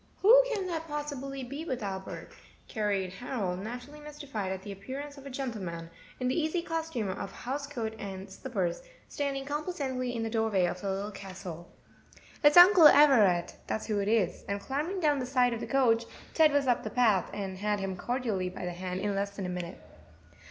"Who can that possibly be with Albert?" queried Harold, naturally mystified at the appearance of a gentleman, in the easy costume of house coat and slippers, standing complacently in the doorway of the Little Castle. "It's Uncle Everett, that's who it is;" and clambering down the side of the coach, Ted was up the path, and had him cordially by the hand in less than a minute.